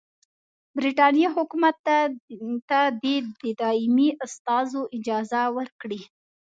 برټانیې حکومت ته دي د دایمي استازو اجازه ورکړي.